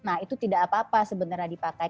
nah itu tidak apa apa sebenarnya dipakai